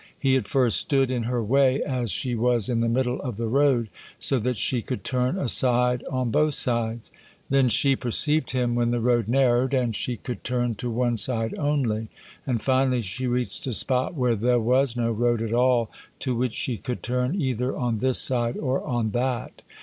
He at first stood in her way as she was in the middle of the road, so that she could turn aside on both sides; then she perceived him when the road narrowed, and she could turn to one side only; and finally she reached a spot where there was no road at all to which she could turn either on this side or on that.